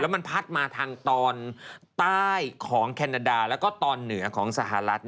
มันพัดมาทางตอนใต้ของแคนาดาแล้วก็ตอนเหนือของสหรัฐ